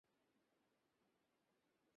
মুখ বন্ধ রাখো।